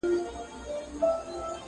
خُم ته یو راغلي په دمدار اعتبار مه کوه!.